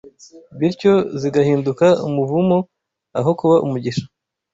bityo zigahinduka umuvumo aho kuba umugisha